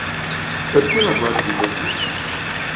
Perché la guardi così?